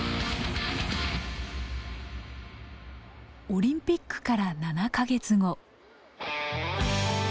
オリンピックから７か月後。